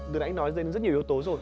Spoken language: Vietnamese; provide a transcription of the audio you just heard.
được anh nói đây là rất nhiều yếu tố rồi